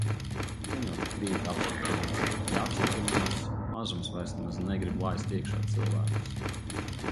Gan jau tik rīt apstiprinās, ja apstiprinās, mazums vairs nemaz negrib laist iekšā cilvēkus.